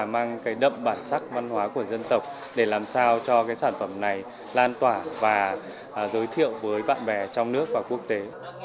mang đậm bản sắc văn hóa của dân tộc để làm sao cho cái sản phẩm này lan tỏa và giới thiệu với bạn bè trong nước và quốc tế